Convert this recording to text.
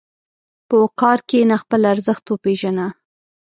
په وقار کښېنه، خپل ارزښت وپېژنه.